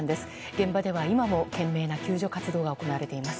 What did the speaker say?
現場では今も懸命な救助活動が行われています。